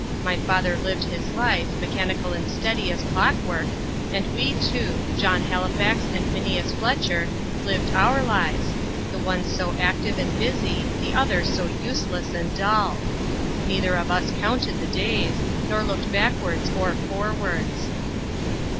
My father lived his life, mechanical and steady as clock work, and we two, John Halifax and Phineas Fletcher, lived our lives the one so active and busy, the other so useless and dull. Neither of us counted the days, nor looked backwards or forwards.